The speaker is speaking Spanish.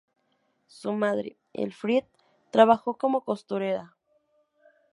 Su madre, Elfriede, trabajó como costurera.